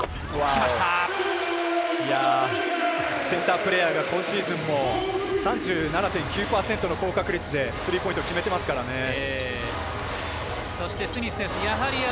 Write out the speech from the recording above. センタープレーヤーが今シーズンも３７．９％の高確率でスリーポイントを決めてますからね。